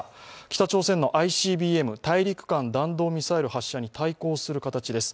北朝鮮のＩＣＢＭ＝大陸間弾道ミサイル発射に対抗する形です。